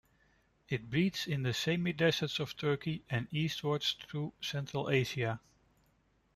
It breeds in the semi-deserts of Turkey and eastwards through Central Asia.